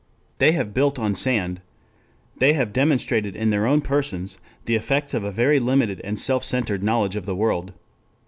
They have built on sand. They have demonstrated in their own persons the effects of a very limited and self centered knowledge of the world.